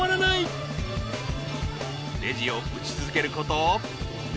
［レジを打ち続けること］